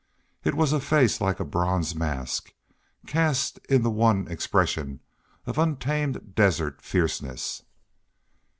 It was a face like a bronze mask, cast in the one expression of untamed desert fierceness.